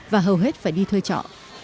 và hầu hết phải đi thuê trọ